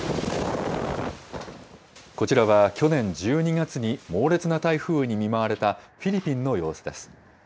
こちらは去年１２月に猛烈な台風に見舞われた、フィリピンの様子です。